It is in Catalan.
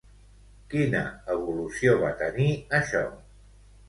Quina evolució va tenir això?